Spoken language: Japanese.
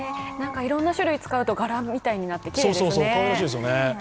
いろんな種類使うと柄みたいになってきれいですね。